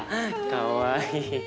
かわいい。